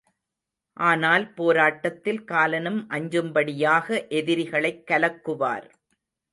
ஆனால் போராட்டத்தில் காலனும் அஞ்சும்படியாக எதிரிகளைக் கலக்குவார்.